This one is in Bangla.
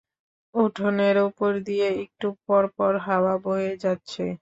উঠোনের ওপর দিয়ে একটু পরপর হাওয়া বয়ে যাচ্ছে!